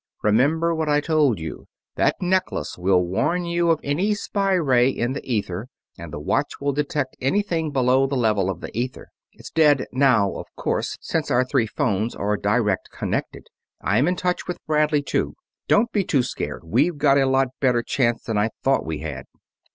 Remember what I told you: that necklace will warn you of any spy ray in the ether, and the watch will detect anything below the level of the ether. It's dead now, of course, since our three phones are direct connected; I'm in touch with Bradley, too. Don't be too scared; we've got a lot better chance than I thought we had."